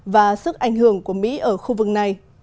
và sức ảnh hưởng của mỹ ở khu vực này